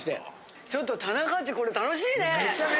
ちょっと田中っちこれ楽しいね。